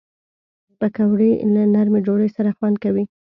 پکورې له نرمې ډوډۍ سره خوند کوي